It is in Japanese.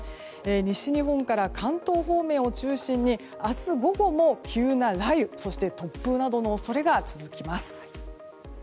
西日本から関東方面を中心に明日午後も急な雷雨、そして突風などの恐れが続きます。